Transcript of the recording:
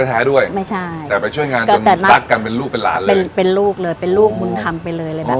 ณช่วงหลังมา๖ปีจะมาดูแลตรงนี้